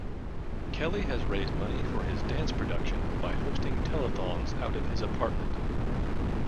Kelly has raised money for dance production by hosting telethons out of his apartment.